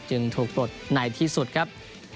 จึงถูกปลดในที่สุดครับ